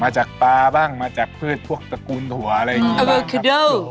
มาจากปลาบ้างมาจากผืดพวกตระกูลถัวอะไรอย่างนี้บ้าง